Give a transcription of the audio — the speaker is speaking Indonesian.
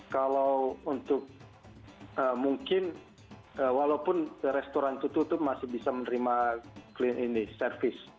kalau untuk mungkin walaupun restoran tutup itu masih bisa menerima clean ini service